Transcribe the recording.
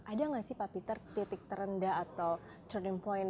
ada nggak sih pak peter titik terendah atau turnam point